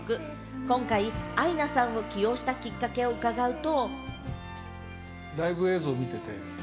今回、アイナさんを起用したきっかけを伺うと。